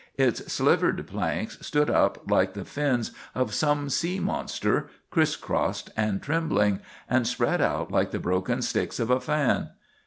Its slivered planks stood up like the fins of some sea monster, crisscrossed and trembling, and spread out like the broken sticks of a fan.